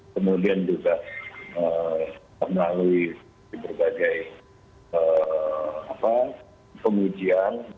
kemudian juga melalui berbagai pengujian